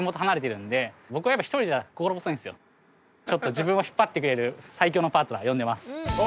自分を引っ張ってくれる最強のパートナー呼んでます。